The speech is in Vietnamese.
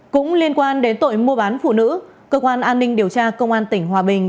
cũng liên quan đến tội mua bán phụ nữ cơ quan an ninh điều tra công an tỉnh hòa bình